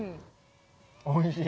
おいしい。